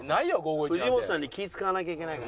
藤本さんに気ぃ使わなきゃいけないから。